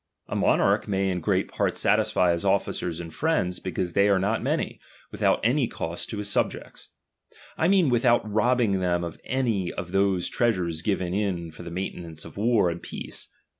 A monarch may in great part satisfy his officers and friends, because they are not many, without any cost to his subjects ; I mean without robbing them of any of those trea sures given in for the maintenance of war and peace.